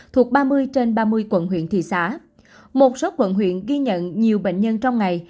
thuộc ba mươi trên ba mươi quận huyện thị xã một số quận huyện ghi nhận nhiều bệnh nhân trong ngày